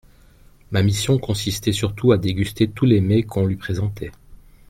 Ma mission consistait surtout à déguster tous les mets qu'on lui présentait.